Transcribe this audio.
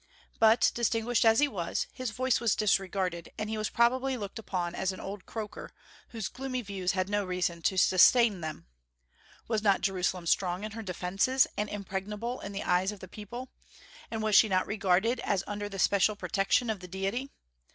But distinguished as he was, his voice was disregarded, and he was probably looked upon as an old croaker, whose gloomy views had no reason to sustain them. Was not Jerusalem strong in her defences, and impregnable in the eyes of the people; and was she not regarded as under the special protection of the Deity?